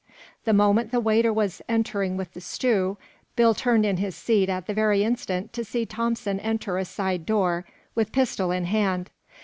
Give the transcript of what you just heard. The moment the waiter was entering with the stew, Bill turned in his seat at the very instant to see Thompson enter a side door with pistol in hand.